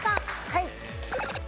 はい。